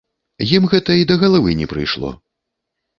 Ім гэта і да галавы не прыйшло.